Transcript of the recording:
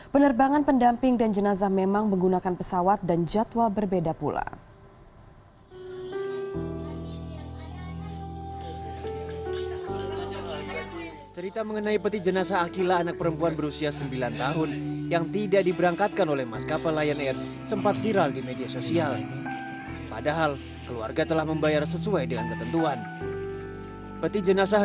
penerbangan pendamping dan jenazah memang menggunakan pesawat dan jadwal berbeda pula